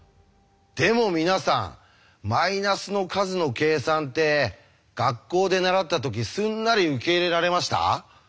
でも皆さんマイナスの数の計算って学校で習った時すんなり受け入れられました？